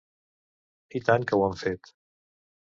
I tant que ho han fet!